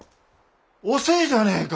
遅えじゃねえか。